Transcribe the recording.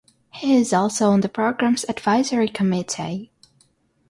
He is also on the program's Advisory Committee.